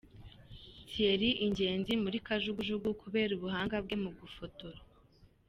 Thierry Ingenzi muri kajugujugu kubera ubuhanga bwe mu gufotora.